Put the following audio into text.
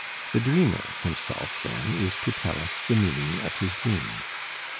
The dreamer himself, then, is to tell us the meaning of his dream.